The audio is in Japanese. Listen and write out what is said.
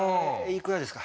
いくらですか？